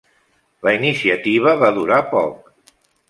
La iniciativa va durar poc.